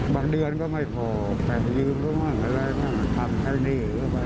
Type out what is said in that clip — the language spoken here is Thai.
บางเดือนก็ไม่พอแต่มันยืนก็มากอะไรก็ไม่มากทำให้หนีก็ไป